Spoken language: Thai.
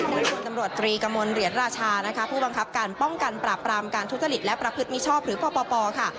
โดยพลตำรวจตรีกระมวลเหรียญราชานะคะผู้บังคับการป้องกันปราบรามการทุจริตและประพฤติมิชอบหรือปปค่ะ